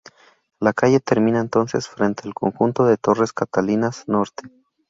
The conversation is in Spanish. La calle termina entonces, frente al conjunto de torres Catalinas Norte.